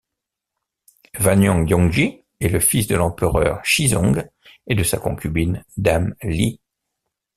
Wanyan Yongji est le fils de l'empereur Shizong et de sa concubine, dame Li.